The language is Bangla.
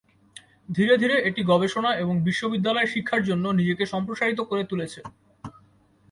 ধীরে ধীরে এটি গবেষণা এবং বিশ্ববিদ্যালয়ের শিক্ষার জন্য নিজেকে সম্প্রসারিত করে তুলেছে।